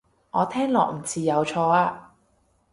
我聽落唔似有錯啊